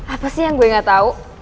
apa sih yang gue gak tau